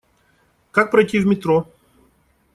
Как пройти в метро?